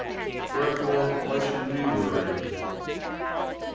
Wherefore, why should we worry?